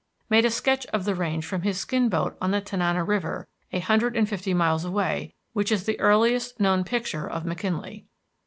made a sketch of the range from his skin boat on the Tanana River, a hundred and fifty miles away, which is the earliest known picture of McKinley.